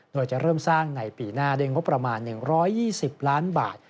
โดยจะเริ่มสร้างในปีหน้าด้วยงบประมาณ๑๒๐ล้านบาท